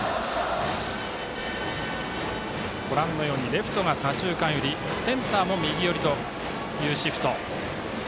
レフトが左中間寄りセンターも右寄りというシフト。